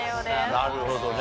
なるほどね。